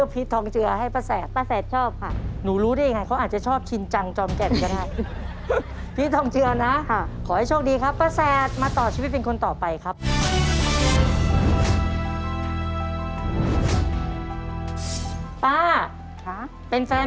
สิบหลายสิบหลายสิบหลายสิบหลายสิบหลายสิบหลายสิบหลายสิบหลาย